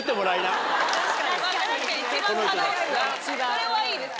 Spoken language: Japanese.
それはいいです。